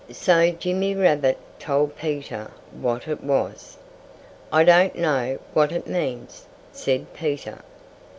So Jimmy Rabbit told Peter what it was. "I don't know what it means," said Peter.